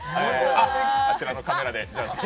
あちらのカメラで。